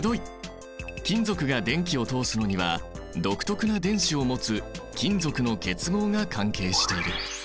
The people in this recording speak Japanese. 金属が電気を通すのには独特な電子を持つ金属の結合が関係している。